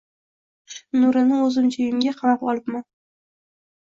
Quyosh nurini o’zimcha uyimga “qamab” olibman.